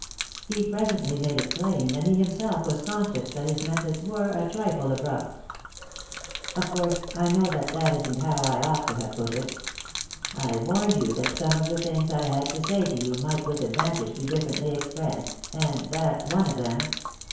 He presently made it plain, that b* himself was conscious that his methods were a trifle abrupt. " Of course I know that that isn't how I ought to have put it. I warned you that some of the things I had to say to you might with advantage be differently expressed, and that's one of them.